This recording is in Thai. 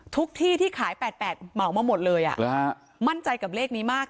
ที่ที่ขาย๘๘เหมามาหมดเลยมั่นใจกับเลขนี้มาก